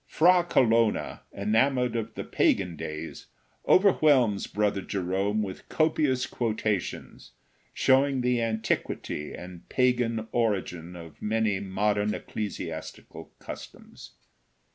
Fra Colonna, enamored of the pagan days, overwhelms Brother Jerome with copious quotations, showing the antiquity and pagan origin of many modern ecclesiastical customs.